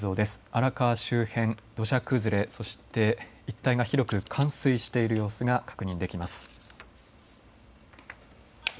荒川周辺、土砂崩れそして一帯が広く冠水している様子が確認できます。